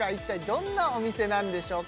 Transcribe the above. どんなお店なんでしょうか？